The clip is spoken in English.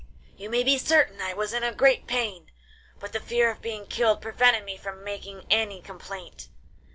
You may be certain I was in great pain, but the fear of being killed prevented me from making any complaint.